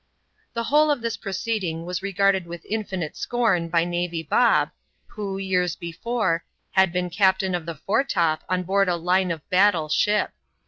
The whole of this proceeding was regarded with infinite scorn by Navy Bob, who, years before, had been captain of the foretop on board a line of battle ship.